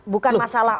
bukan masalah tokohnya